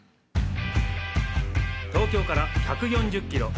東京から１４０キロ。